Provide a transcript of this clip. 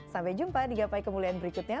sampai jumpa di gapai kemuliaan berikutnya